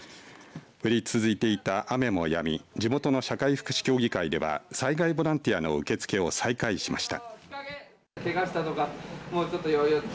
降り続いていた雨もやみ地元の社会福祉協議会では災害ボランティアの受け付けを再開しました。